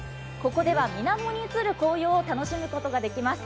ここでは水面に映る紅葉を楽しむことができます。